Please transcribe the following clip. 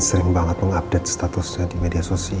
sering banget mengupdate statusnya di media sosial